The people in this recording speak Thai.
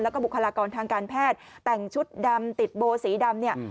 แล้วก็บุคลากรทางการแพทย์แต่งชุดดำติดโบสีดำเนี่ย